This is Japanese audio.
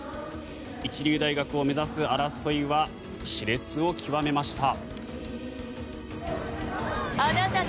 一流大学を目指す争いは熾烈を極めました。